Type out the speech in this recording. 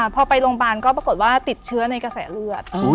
พอไปโรงพยาบาลก็ปรากฏว่าติดเชื้อในกระแสเลือด